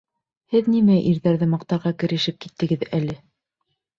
Һеҙ нимә ирҙәрҙе маҡтарға керешеп киттегеҙ әле?